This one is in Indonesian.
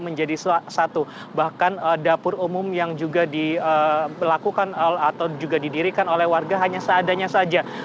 menjadi satu bahkan dapur umum yang juga dilakukan atau juga didirikan oleh warga hanya seadanya saja